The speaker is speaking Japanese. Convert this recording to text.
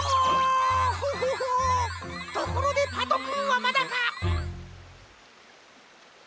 ところでパトくんはまだか？